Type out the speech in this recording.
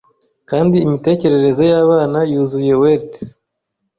Kandi imitekerereze y'abana yuzuye welts